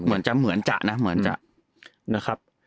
เหมือนจะ